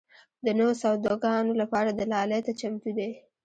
د نویو سوداګانو لپاره دلالۍ ته چمتو دي.